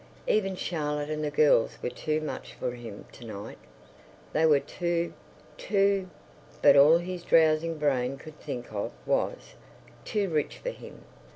Even Charlotte and the girls were too much for him to night. They were too... too.... But all his drowsing brain could think of was—too rich for him.